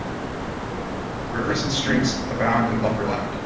Rivers and streams abound in Lumberland.